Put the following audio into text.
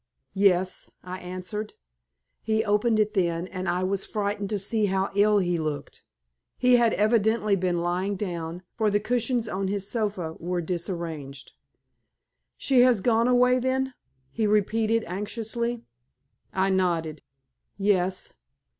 "Yes," I answered. He opened it then, and I was frightened to see how ill he looked. He had evidently been lying down, for the cushions on his sofa were disarranged. "She has gone away, then," he repeated, anxiously. I nodded. "Yes."